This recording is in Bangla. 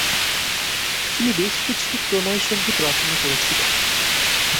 তিনি বেশকিছু প্রণয় সঙ্গীত রচনা করেছিলেন।